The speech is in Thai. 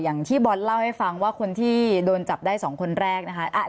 อย่างที่บอลเล่าให้ฟังว่าคนที่โดนจับได้๒คนแรกนะคะ